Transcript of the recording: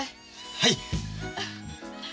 はい。